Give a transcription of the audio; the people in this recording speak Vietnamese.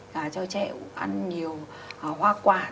cho trẻ ăn nhiều hoa quả